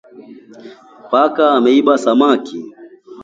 paka ameiba samaki